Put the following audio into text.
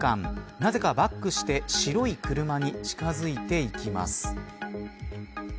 なぜか、バックして白い車に近づいていきます。